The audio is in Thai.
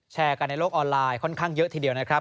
แชร์กันในโลกออนไลน์ค่อนข้างเยอะทีเดียวนะครับ